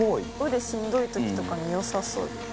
腕しんどい時とかに良さそうです。